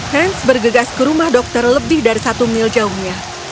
hans bergegas ke rumah dokter lebih dari satu mil jauhnya